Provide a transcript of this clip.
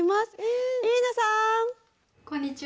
こんにちは。